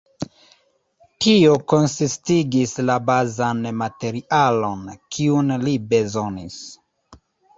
Tio konsistigis la bazan materialon, kiun li bezonis.